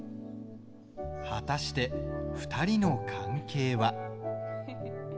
果たして２人の関係は。